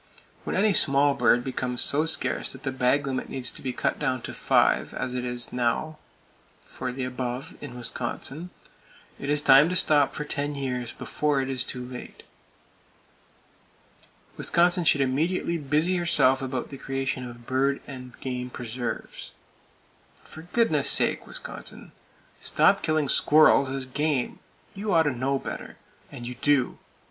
When any small bird becomes so scarce that the bag limit needs to be cut down to five, as it now is for the above in Wisconsin, it is time to stop for ten years, before it is too late. Wisconsin should immediately busy herself about the creation of bird and game preserves. For goodness sake, Wisconsin, stop killing squirrels as "game!" You ought to know better—and you do!